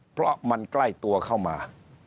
เพราะมันใกล้ตัวเข้ามา